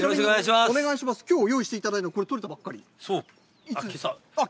きょう用意していただいたのはこれ、とれたばっかり。